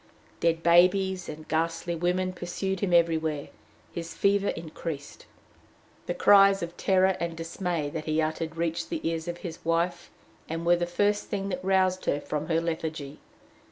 Dead babies and ghastly women pursued him everywhere. His fever increased. The cries of terror and dismay that he uttered reached the ears of his wife, and were the first thing that roused her from her lethargy.